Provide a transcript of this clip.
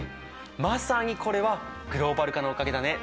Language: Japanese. まさにこれはグローバル化のおかげだね。